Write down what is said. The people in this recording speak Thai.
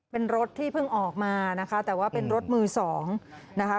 เป็นรถที่เพิ่งออกมานะคะแต่ว่าเป็นรถมือสองนะคะ